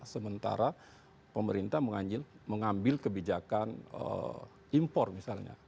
sementara pemerintah mengambil kebijakan impor misalnya